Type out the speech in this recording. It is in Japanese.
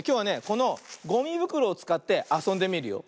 このごみぶくろをつかってあそんでみるよ。